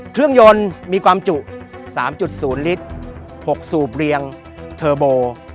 เครื่องยนต์มีความจุ๓๐ลิตร๖สูบเรียงเทอร์โบ